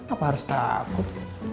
apa harus takut